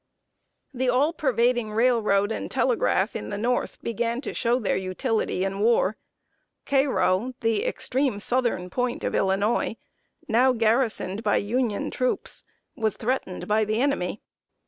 The all pervading railroad and telegraph in the North began to show their utility in war. Cairo, the extreme southern point of Illinois, now garrisoned by Union troops, was threatened by the enemy.